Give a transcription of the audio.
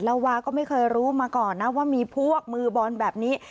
วาก็ไม่เคยรู้มาก่อนนะว่ามีพวกมือบอลแบบนี้